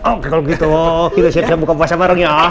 oke kalau gitu kita siap siap buka puasa bareng ya